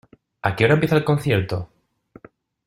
¿A qué hora empieza el concierto?